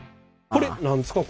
これ何ですか？